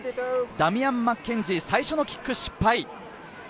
ダミアン・マッケンジー、最初のキック失敗。